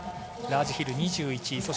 ラージヒル２１位。